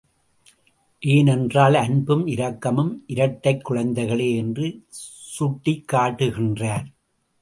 ஏனென்றால், அன்பும், இரக்கமும் இரட்டைக் குழந்தைகளே என்று சுட்டிக் காட்டுகின்றார்.